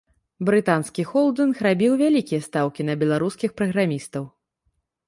Брытанскі холдынг рабіў вялікія стаўкі на беларускіх праграмістаў.